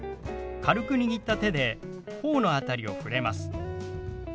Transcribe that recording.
軽く握った手で頬の辺りを触れます。